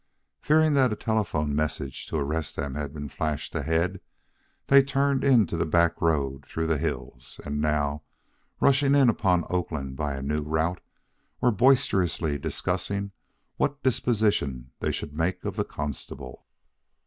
Fearing that a telephone message to arrest them had been flashed ahead, they had turned into the back road through the hills, and now, rushing in upon Oakland by a new route, were boisterously discussing what disposition they should make of the constable.